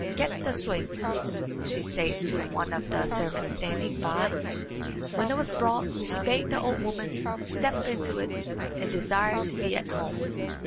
"Get the swing," she said to one of the servants standing by. When it was brought she bade the old woman step into it and desire to be at home.